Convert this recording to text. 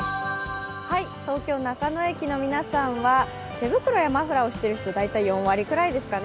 東京・中野駅の皆さんは手袋やマフラーをしている人、大体４割くらいですかね。